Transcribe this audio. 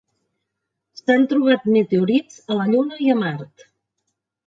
S'han trobat meteorits a la Lluna i a Mart.